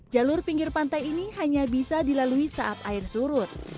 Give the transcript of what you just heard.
jalur pinggir pantai ini hanya bisa dilalui saat air surut